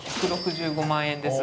１６５万円です